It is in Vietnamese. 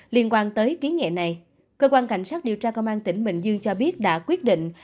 liên quan tới ký nghệ này cơ quan cảnh sát điều tra công an tỉnh bình dương cho biết đã quyết định